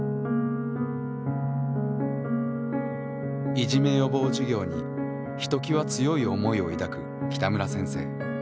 いじめ予防授業にひときわ強い思いを抱く北村先生。